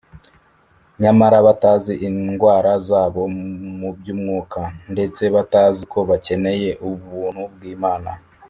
; nyamari batazi indwara zabo mu by’umwuka, ndetse batazi ko bakeneye ubuntu bw’Imana